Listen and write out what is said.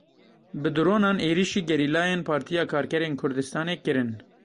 Bi dronan êrişî gerîlayên Partiya Karkerên Kurdistanê kirin.